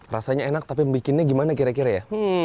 rasanya enak tapi membuatnya bagaimana kira kira ya